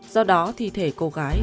do đó thi thể cô gái